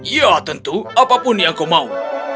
ya tentu apapun yang kau mau